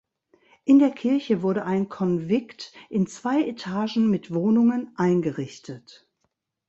In der Kirche wurde ein Konvikt in zwei Etagen mit Wohnungen eingerichtet.